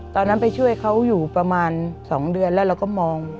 ตอนนั้นไปช่วยเขาอยู่ประมาณสองเดือนแล้วเราก็มอง